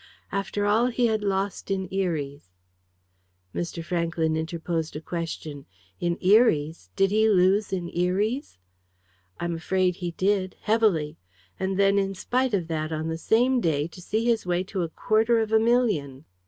"After all he had lost in Eries " Mr. Franklyn interposed a question. "In Eries! Did he lose in Eries?" "I am afraid he did, heavily. And then, in spite of that, on the same day, to see his way to a quarter of a million!"